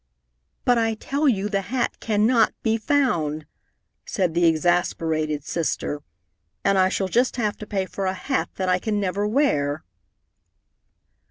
"But I tell you the hat cannot be found!" said the exasperated sister. "And I shall just have to pay for a hat that I can never wear."